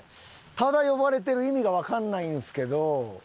ただ呼ばれてる意味がわかんないんですけど。